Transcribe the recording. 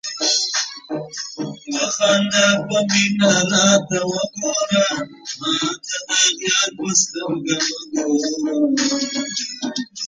په ډیجیټل بانکوالۍ کې د حساب امنیت خورا لوړ وي.